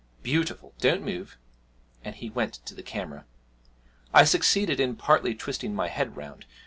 Beautiful! don't move.' And he went to the camera. I succeeded in partly twisting my head round.